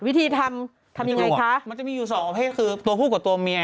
วิธีทำทำยังไงคะมันจะมีอยู่สองประเภทคือตัวผู้กับตัวเมีย